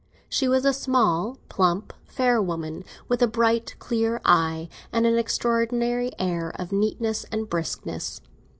She was a small, plump, fair woman, with a bright, clear eye, and an extraordinary air of neatness and briskness.